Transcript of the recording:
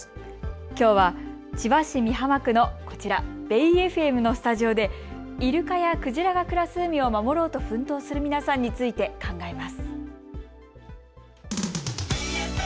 きょうは千葉市美浜区のこちら、ベイエフエムのスタジオでイルカやクジラが暮らす海を奮闘する皆さんについて考えます。